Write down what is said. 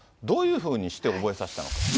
どういうふうにして覚えさせたのか。